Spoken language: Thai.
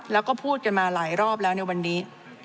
แล้วก็พูดกันมาหลายรอบแล้วในวันนี้